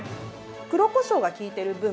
黒こしょうが効いてる分